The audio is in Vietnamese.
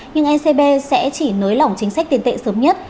nhưng ecb sẽ chỉ nới lỏng chính sách tiền tệ sớm nhất